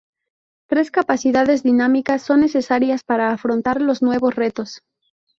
Tres capacidades dinámicas son necesarias para afrontar los nuevos retos.